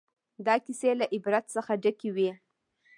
دا کیسې له عبرت څخه ډکې وې.